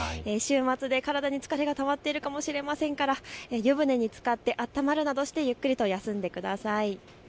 週末で体に疲れがたまっているかもしれませんから湯船につかって温まるなどしてゆっくりと休んでください。